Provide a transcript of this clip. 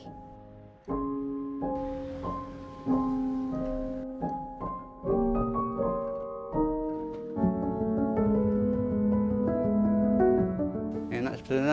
ketika mereka mencari keuntungan